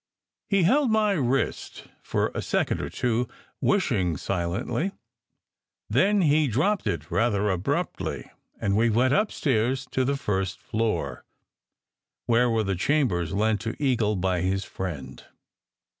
He held my wrist for a second or two, wishing silently. Then he dropped it rather abruptly, and we went upstairs to the first floor, where were the chambers lent to Eagle by his friend.